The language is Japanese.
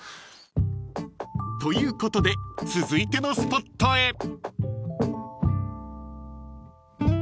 ［ということで続いてのスポットへ］